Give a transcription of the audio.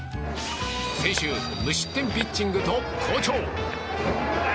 先週、無失点ピッチングと好調。